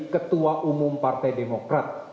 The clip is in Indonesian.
ketua umum partai demokrat